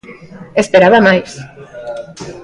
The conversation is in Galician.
Esperaba máis.